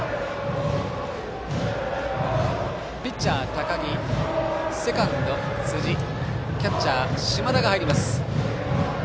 ピッチャー高木セカンド辻キャッチャー、嶋田が入ります。